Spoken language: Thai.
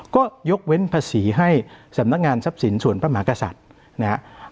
ก็ยกเว้นภาษีให้สำนักงานทรัพย์สินส่วนพระมหากษัตริย์นะครับ